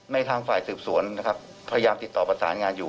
ทางฝ่ายสืบสวนนะครับพยายามติดต่อประสานงานอยู่